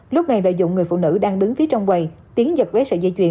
lúc này lợi dụng người phụ nữ đang đứng phía trong quầy tiến giật lấy sợi dây chuyền